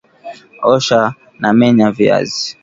Osha na menya viazi